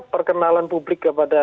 perkenalan publik kepada